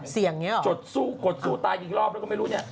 อย่างนี้หรอจดสู้กดสู้ตายกี่รอบแล้วก็ไม่รู้เนี่ย